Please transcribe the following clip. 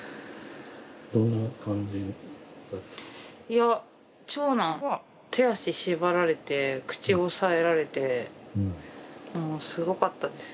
いや長男は手足縛られて口押さえられてもうすごかったですよ。